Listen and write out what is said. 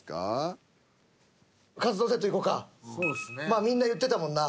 まあみんな言ってたもんな。